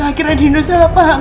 akhirnya dino salah paham